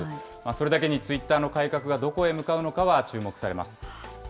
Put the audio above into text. それだけにツイッターの改革がどこへ向かうのかは注目されます。